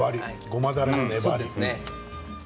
ごまだれの粘り。